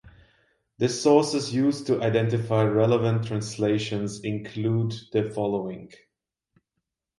The sources used to identify relevant translations include the following.